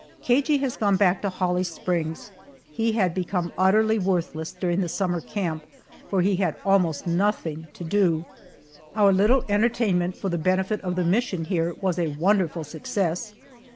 Cagey has gone back to Holly Springs. He had become utterly worthless during the summer camp, where he had almost nothing to do. Our little entertainment for the benefit of the mission here was a wonderful success.